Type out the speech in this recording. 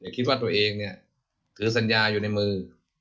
อย่าคิดว่าตัวเองถือสัญญาอยู่ในมือ